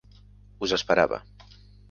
Us esperava.